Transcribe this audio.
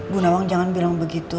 bu nawang jangan bilang begitu